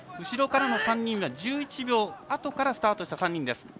後ろからの３人は１１秒あとからスタートした３人です。